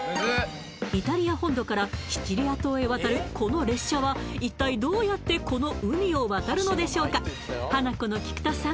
イタリア本土からシチリア島へ渡るこの列車は一体どうやってこの海を渡るのでしょうかハナコの菊田さん